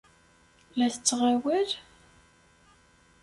La tettɣawal?